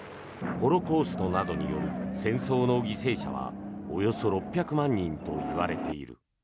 ホロコーストなどによる戦争の犠牲者はおよそ６００万人といわれている。